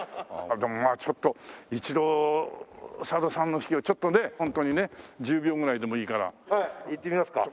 でもまあちょっと一度佐渡さんの指揮をちょっとねホントにね１０秒ぐらいでもいいから。いってみますか？